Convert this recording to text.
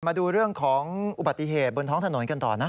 มาดูเรื่องของอุบัติเหตุบนท้องถนนกันต่อนะ